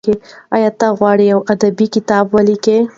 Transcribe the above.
ایا ته غواړې یو ادبي کتاب ولیکې؟